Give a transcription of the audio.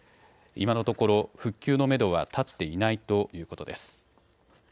今のところ復旧のめどは立っていないということです。